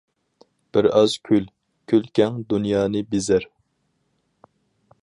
بىر ئاز كۈل، كۈلكەڭ دۇنيانى بېزەر.